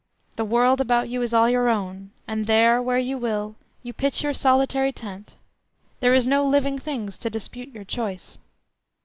The world about you is all your own, and there, where you will, you pitch your solitary tent; there is no living thing to dispute your choice.